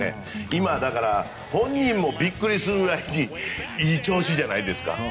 今、本人もビックリするくらいにいい調子じゃないですか。